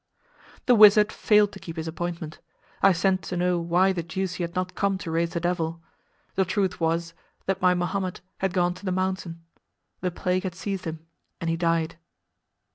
The wizard failed to keep his appointment. I sent to know why the deuce he had not come to raise the devil. The truth was, that my Mahomet had gone to the mountain. The plague had seized him, and he died.